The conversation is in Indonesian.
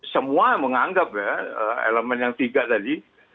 semua menganggap ya elemen yang tiga tadi